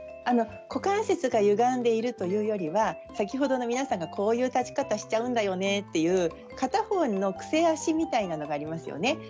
股関節がゆがんでいるというよりは先ほどの皆さんがこういう立ち方をしてしまうというような片方の癖足みたいなものがありますね。